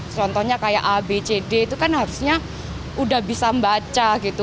contohnya kayak a b c d itu kan harusnya udah bisa baca gitu